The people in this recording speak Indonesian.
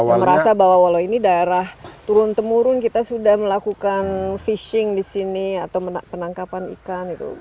yang merasa bahwa walau ini daerah turun temurun kita sudah melakukan fishing di sini atau penangkapan ikan itu